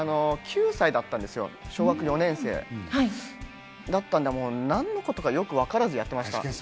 ９歳だったんですよ、小学４年生だったんで何のことかよくわからずやってました。